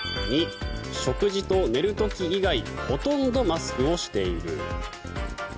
２、食事と寝る時以外ほとんどマスクをしている。